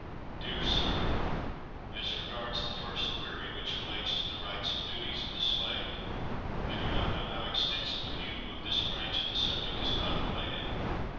DEAR SIR: As regards the first query, which relates to the "rights and duties of the slave," I do not know how extensive a view of this branch of the subject is contemplated.